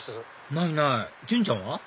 ないないじゅんちゃんは？